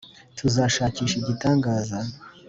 tuzashakisha igitangaza;